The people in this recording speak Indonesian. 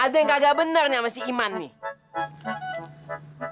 ada yang kagak bener nih sama si iman nih